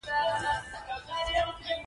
روښانتیا د شعور د بیدارۍ بڼه ده.